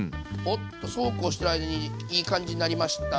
おっとそうこうしてる間にいい感じになりました。